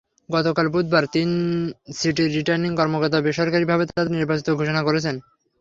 গতকাল বুধবার তিন সিটির রিটার্নিং কর্মকর্তা বেসরকারিভাবে তাঁদের নির্বাচিত ঘোষণা করেছেন।